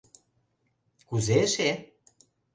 Кузе эше.